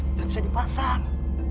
tidak bisa dipasang